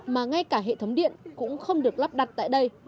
mà ngay cả hệ thống điện cũng không được lắp đặt tại đây